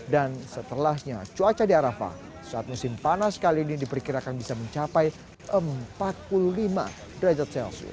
dan setelahnya cuaca di arafah saat musim panas kali ini diperkirakan bisa mencapai empat puluh lima derajat celcius